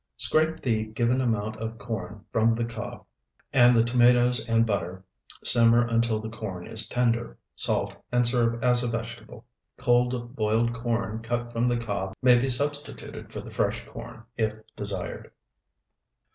Scrape the given amount of corn from the cob, add the tomatoes and butter, simmer until the corn is tender; salt, and serve as a vegetable. Cold boiled corn cut from the cob may be substituted for the fresh corn, if desired.